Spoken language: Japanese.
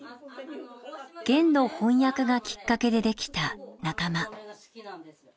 『ゲン』の翻訳がきっかけでできた仲間。